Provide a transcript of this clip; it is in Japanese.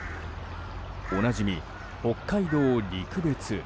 おなじみ北海道陸別。